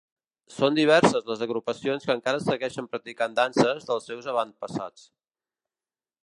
Són diverses les agrupacions que encara segueixen practicant danses dels seus avantpassats.